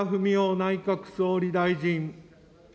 内閣総理大臣。